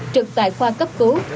trực tại khoa cấp cứu